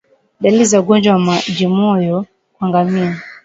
Dalili za ugonjwa wa majimoyo kwa ngamia